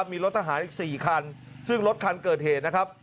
มีรถทหารอีก๔คันซึ่งรถคันเกิดเหตุนะครับ